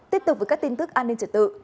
tiếp tục với các tin tức an ninh trật tự